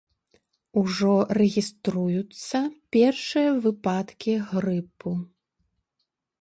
Ужо рэгіструюцца першыя выпадкі грыпу.